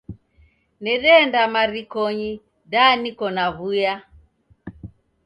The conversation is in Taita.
Nedeenda marikonyi da niko naw'uya